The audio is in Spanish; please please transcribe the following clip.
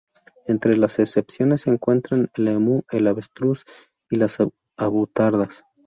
Entre las excepciones se encuentran el emú, el avestruz y las avutardas.